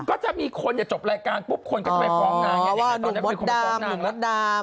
ก็จะมีคนจบรายการปุ๊บคนก็จะไปฟ้องนาง